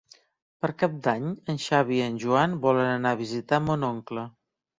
Per Cap d'Any en Xavi i en Joan volen anar a visitar mon oncle.